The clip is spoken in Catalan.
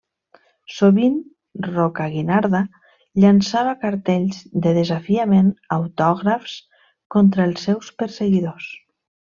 Sovint Rocaguinarda llançava cartells de desafiament autògrafs contra els seus perseguidors.